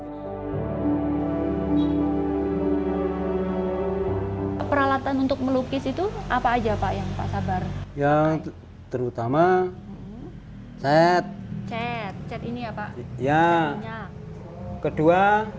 sebelumnya penyelesaian lukisan ini dikira sebagai peralatan untuk melukis